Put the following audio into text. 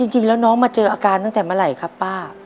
จริงแล้วน้องมาเจออาการตั้งแต่เมื่อไหร่ครับป้า